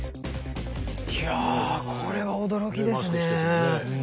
いやこれは驚きですね。